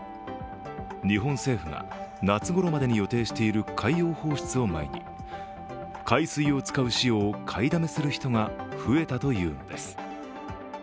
日本政府が夏ごろまでに予定している海洋放出を前に海水を使う塩を買いだめする人が増えたというのです。